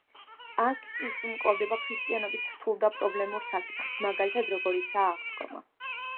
აქ ის უმკლავდება ქრისტიანობის რთულ და პრობლემურ საკითხებს, მაგალითად როგორიცაა: აღდგომა.